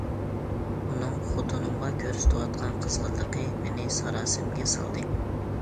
ئۇنىڭ خوتۇنۇمغا كۆرسىتىۋاتقان قىزغىنلىقى مېنى ساراسىمىگە سالدى.